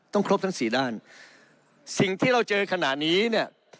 ครบทั้งสี่ด้านสิ่งที่เราเจอขณะนี้เนี่ย